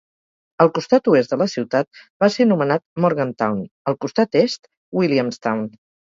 El costat oest de la ciutat va ser anomenat Morgantown; el costat est, Williamstown.